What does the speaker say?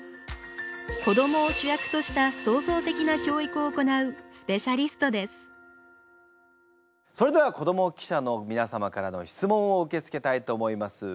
子どもを主役としたそれでは子ども記者のみなさまからの質問を受け付けたいと思います。